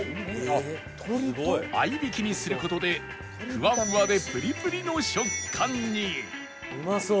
合いびきにする事でフワフワでプリプリの食感に